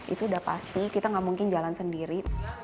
itu sudah pasti kita tidak mungkin jalan sendiri